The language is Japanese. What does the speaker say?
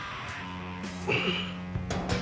うん。